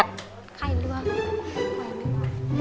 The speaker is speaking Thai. ใครรู้อะ